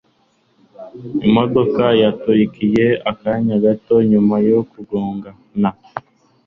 imodoka yaturikiye akanya gato nyuma yo kugongana